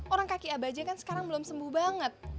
orang kaki abah aja kan sekarang belum sembuh banget